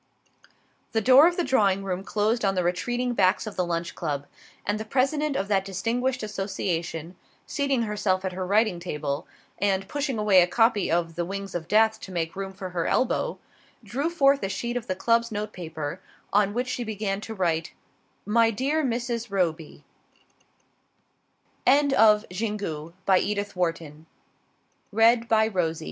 The door of the drawing room closed on the retreating backs of the Lunch Club, and the President of that distinguished association, seating herself at her writing table, and pushing away a copy of "The Wings of Death" to make room for her elbow, drew forth a sheet of the club's note paper, on which she began to write: "My dear Mrs. Roby " End of the Project Gutenberg EBook of Xingu, by Edith Wharton END OF THIS PROJECT GUTENBERG EBOOK XINGU *